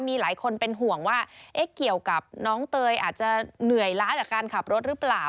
มีหลายคนเป็นห่วงว่าเกี่ยวกับน้องเตยอาจจะเหนื่อยล้าจากการขับรถหรือเปล่า